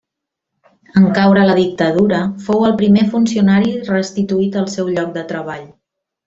En caure la Dictadura, fou el primer funcionari restituït al seu lloc de treball.